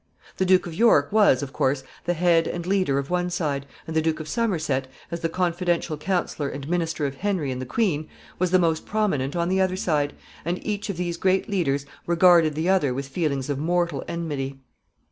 The Duke of York was, of course, the head and leader of one side, and the Duke of Somerset, as the confidential counselor and minister of Henry and the queen, was the most prominent on the other side, and each of these great leaders regarded the other with feelings of mortal enmity.